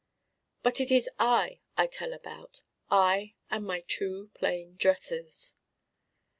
But it is I I tell about, I and my Two plain Dresses.